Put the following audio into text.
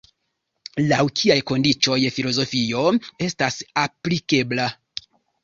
Laŭ kiaj kondiĉoj filozofio estas aplikebla?